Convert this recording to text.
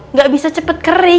nggak bisa cepet kering